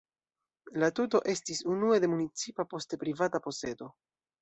La tuto estis unue de municipa, poste privata posedo.